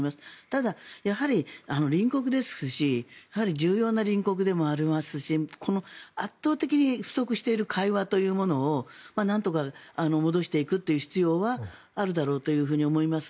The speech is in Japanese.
ただ、隣国ですし重要な隣国でもありますし圧倒的に不足している会話というものをなんとか戻していくという必要はあるだろうと思います。